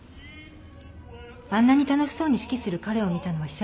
あんなに楽しそうに指揮する彼を見たのは久々だった。